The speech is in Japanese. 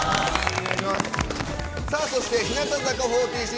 そして、日向坂４６。